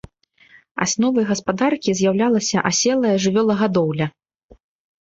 Асновай гаспадаркі з'яўлялася аселая жывёлагадоўля.